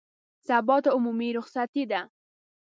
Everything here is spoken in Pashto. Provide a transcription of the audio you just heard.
سبا ته عمومي رخصتي ده